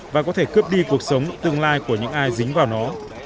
và có thể cướp đi cuộc sống tương lai của những ai dính vào nó